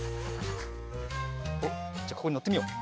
おっじゃあここにのってみよう。